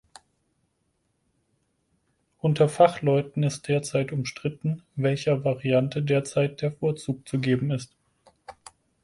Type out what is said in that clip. Unter Fachleuten ist derzeit umstritten, welcher Variante derzeit der Vorzug zu geben ist.